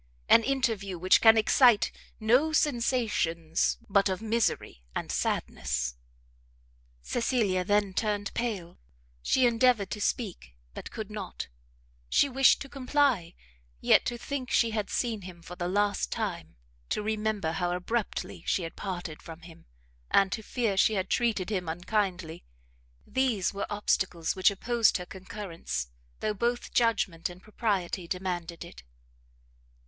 an interview which can excite no sensations but of misery and sadness?" Cecilia then turned pale, she endeavoured to speak, but could not; she wished to comply, yet to think she had seen him for the last time, to remember how abruptly she had parted from him, and to fear she had treated him unkindly; these were obstacles which opposed her concurrence, though both judgment and propriety demanded it.